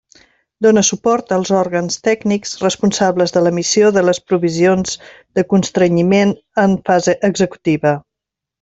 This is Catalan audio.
Dóna suport als òrgans tècnics responsables de l'emissió de les provisions de constrenyiment en fase executiva.